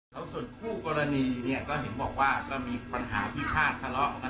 น้องแสงอ่าพแปืดไปแล้วบ่ายก็ได้ข่าวว่าโดนลุม